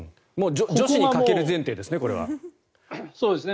女子にかける前提ですね。